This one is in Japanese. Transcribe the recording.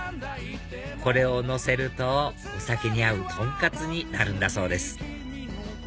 これをのせるとお酒に合うトンカツになるんだそうです